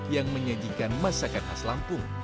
yang menyajikan masakan khas lampung